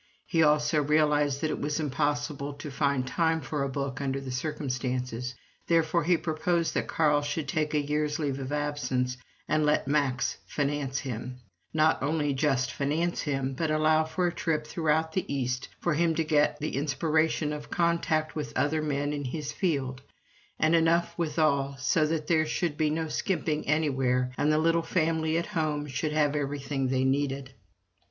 He also realized that it was impossible to find time for a book under the circumstances. Therefore he proposed that Carl should take a year's leave of absence and let Max finance him not only just finance him, but allow for a trip throughout the East for him to get the inspiration of contact with other men in his field; and enough withal, so that there should be no skimping anywhere and the little family at home should have everything they needed.